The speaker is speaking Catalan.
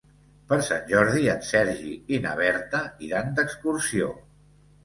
Per Sant Jordi en Sergi i na Berta iran d'excursió.